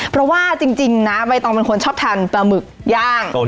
เพราะว่าจริงนะใบตองเป็นคนชอบทานปลาหมึกย่าง